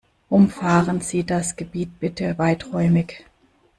Umfahren Sie das Gebiet bitte weiträumig.